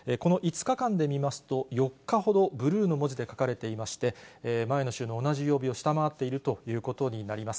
この５日間で見ますと、４日ほどブルーの文字で書かれていまして、前の週の同じ曜日を下回っているということになります。